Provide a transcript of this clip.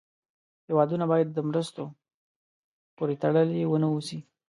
هېوادونه باید د مرستو پورې تړلې و نه اوسي.